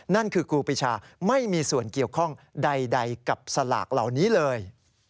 นั่นคือครูปีชาไม่มีส่วนเกี่ยวข้องใดกับสลากเหล่านี้เลย